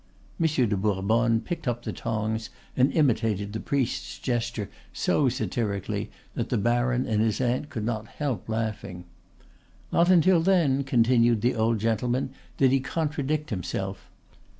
Monsieur de Bourbonne picked up the tongs and imitated the priest's gesture so satirically that the baron and his aunt could not help laughing. "Not until then," continued the old gentleman, "did he contradict himself.